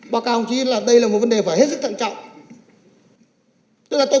báo cáo ông chí là đây là một vấn đề phải hết sức thận trọng